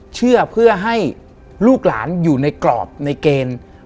เชื่อเพื่อให้ลูกหลานอยู่ในกรอบในเกณฑ์